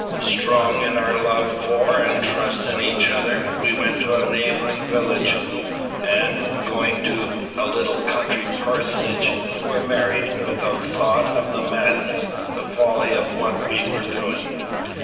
Strong in our love for and trust in each other, we went to a neighboring village, and, going to a little country parsonage, were married, without one thought of the madness, the folly of what we were doing.